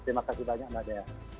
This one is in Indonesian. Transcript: terima kasih banyak mbak dea